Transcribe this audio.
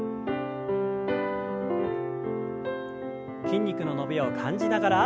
筋肉の伸びを感じながら。